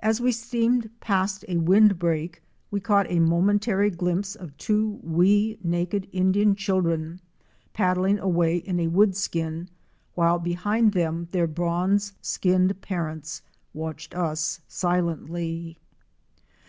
As we steamed past a wind break we caught a momentary glimpse of two wee naked Indian children paddling away in a wood skin while behind them their bronze skinned parents watched us silent'y.